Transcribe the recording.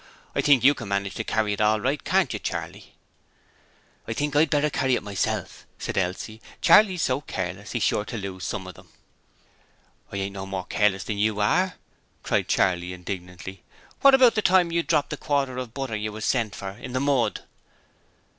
I think you can manage to carry it all right, can't you, Charley?' 'I think I'd better carry it myself,' said Elsie. 'Charley's SO careless, he's sure to lose some of them.' 'I ain't no more careless than you are,' cried Charley, indignantly. 'What about the time you dropped the quarter of butter you was sent for in the mud?'